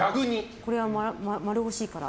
これは、○欲しいから。